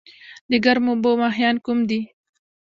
د ګرمو اوبو ماهیان کوم دي؟